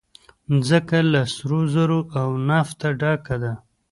مځکه له سرو زرو او نفته ډکه ده.